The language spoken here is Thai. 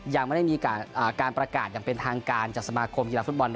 ยังไม่ได้มีการประกาศอย่างเป็นทางการจากสมาคมกีฬาฟุตบอล